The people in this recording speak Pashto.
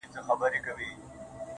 ه تا ويل اور نه پرېږدو تنور نه پرېږدو